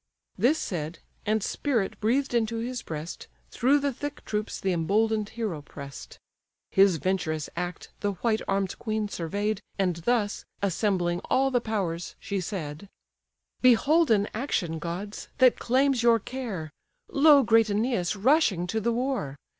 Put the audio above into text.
This said, and spirit breathed into his breast, Through the thick troops the embolden'd hero press'd: His venturous act the white arm'd queen survey'd, And thus, assembling all the powers, she said: "Behold an action, gods! that claims your care, Lo great Æneas rushing to the war!